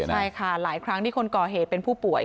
ใช่ค่ะหลายครั้งที่คนก่อเหตุเป็นผู้ป่วย